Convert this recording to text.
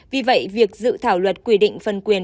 vì vậy việc dự thảo luật quy định phân quyền